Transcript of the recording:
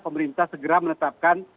pemerintah segera menetapkan